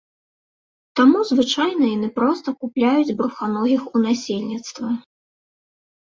Таму звычайна яны проста купляюць бруханогіх у насельніцтва.